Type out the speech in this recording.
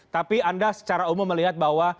tapi anda secara umum melihat bahwa